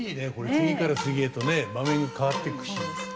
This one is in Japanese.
次から次へとね場面が変わっていくし。